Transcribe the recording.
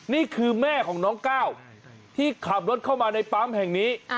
นี่คือแม่ของน้องก้าวที่ขับรถเข้ามาในปั๊มแห่งนี้